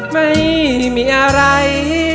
ไม่มีอะไร